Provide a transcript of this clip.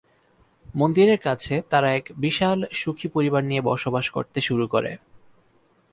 মন্দিরের কাছে তারা এক বিশাল সুখী পরিবার নিয়ে বসবাস করতে শুরু করে।